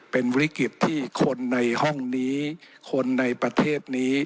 เป็นวิกฤตที่คนในห้องนี้คนในประเทศนี้